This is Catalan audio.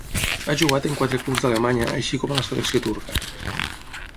Ha jugat en quatre clubs d'Alemanya així com a la selecció turca.